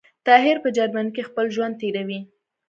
طاهر په جرمنی کي خپل ژوند تیروی